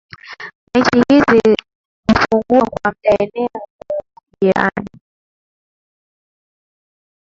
Mechi hizi hupungua kwa muda eneo lote jirani